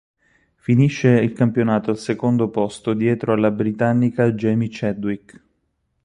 Finisce il campionato al secondo posto dietro alla britannica Jamie Chadwick.